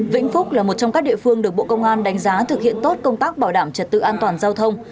vĩnh phúc là một trong các địa phương được bộ công an đánh giá thực hiện tốt công tác bảo đảm trật tự an toàn giao thông